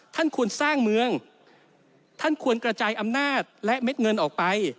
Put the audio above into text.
ท่านควรสร้างเมืองท่านควรกระจายอำนาจและเม็ดเงินออกไป